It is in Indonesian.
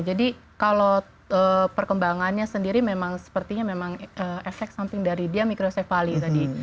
jadi kalau perkembangannya sendiri memang sepertinya memang efek samping dari dia mikrosefali tadi